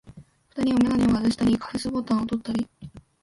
二人はめがねをはずしたり、カフスボタンをとったり、